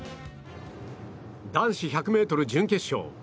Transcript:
男子１００ｍ準決勝。